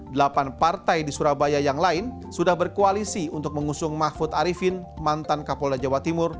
delapan partai di surabaya yang lain sudah berkoalisi untuk mengusung mahfud arifin mantan kapolda jawa timur